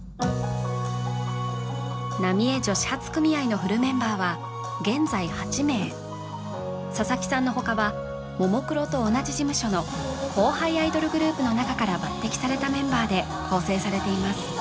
浪江女子発組合のフルメンバーは現在８名佐々木さんの他はももクロと同じ事務所の後輩アイドルグループの中から抜てきされたメンバーで構成されています